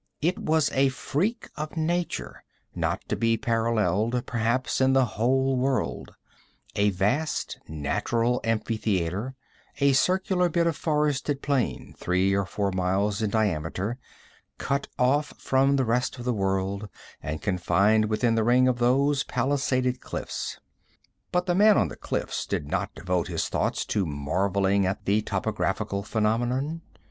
It was a freak of nature, not to be paralleled, perhaps, in the whole world: a vast natural amphitheater, a circular bit of forested plain, three or four miles in diameter, cut off from the rest of the world, and confined within the ring of those palisaded cliffs. But the man on the cliffs did not devote his thoughts to marveling at the topographical phenomenon.